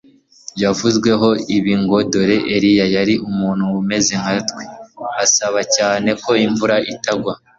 yavuzweho ibi ngo Dore Eliya yari umuntu umeze nka twe asaba cyane ko imvura itagwa